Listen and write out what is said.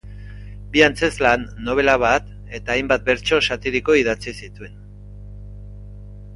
Bi antzezlan, nobela bat eta hainbat bertso satiriko idatzi zituen.